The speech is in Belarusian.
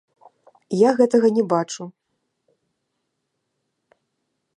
Я гэтага не бачу.